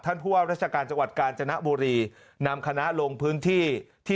ผู้ว่าราชการจังหวัดกาญจนบุรีนำคณะลงพื้นที่ที่